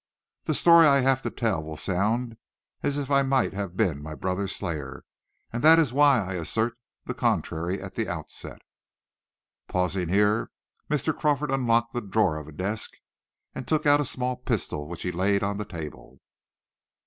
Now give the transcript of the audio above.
"The story I have to tell will sound as if I might have been my brother's slayer, and this is why I assert the contrary at the outset." Pausing here, Mr. Crawford unlocked the drawer of a desk and took out a small pistol, which he laid on the table.